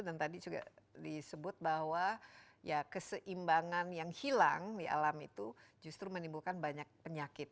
dan tadi juga disebut bahwa ya keseimbangan yang hilang di alam itu justru menimbulkan banyak penyakit